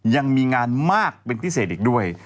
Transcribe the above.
ยังมีงานมากเป็นพิเศษอีกด้วย